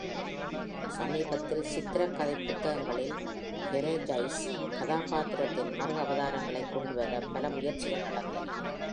சமீபத்தில் சித்திரக் கதைப் புத்தகங்களில் Karagiozis கதாபாத்திரத்தின் மறு அவதாரங்களை கொண்டு வர பல முயற்சிகள் நடந்தன.